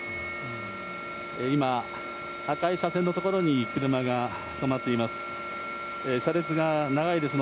今、赤い車線の所に車が止まっています。